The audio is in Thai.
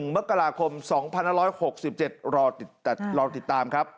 มกราคม๒๑๖๗แต่รอติดตามครับ